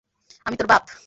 আমি তোর বাপ।